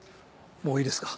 もういいですか。